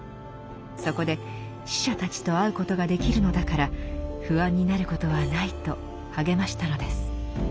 そこで死者たちと会うことができるのだから不安になることはないと励ましたのです。